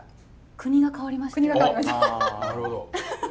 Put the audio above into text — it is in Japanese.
国が変わりましたハハハ。